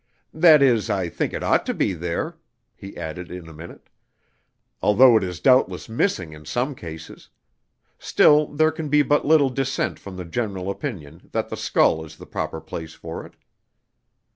"That is, I think it ought to be there," he added in a minute, "although it is doubtless missing in some cases. Still, there can be but little dissent from the general opinion that the skull is the proper place for it."